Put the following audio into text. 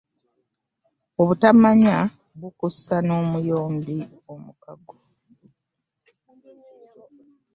Obutamanya bukussa n'omuyombi omukago .